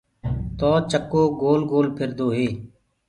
تو چڪو گول گول ڦِردو هي۔